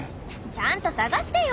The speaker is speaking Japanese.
ちゃんと探してよ。